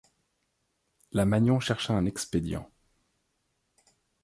La Magnon chercha un expédient.